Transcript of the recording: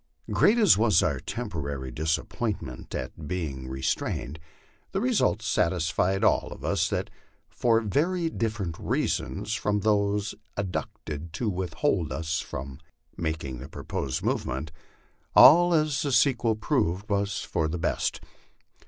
Great as was our temporary disappointment at being restrained, the result satisfied all of us that, for very different reasons from those adduced to withhold us from making the proposed movement, all, as the sequel proved, was for the best.